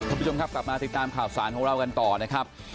คุณผู้ชมครับกลับมาติดตามข่าวสารของเรากันต่อนะครับ